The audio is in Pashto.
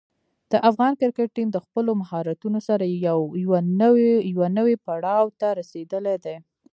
د افغان کرکټ ټیم د خپلو مهارتونو سره یوه نوې پړاو ته رسېدلی دی.